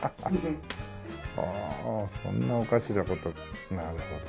おおそんなおかしな事なるほど。